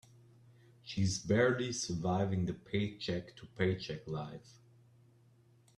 She is barely surviving the paycheck to paycheck life.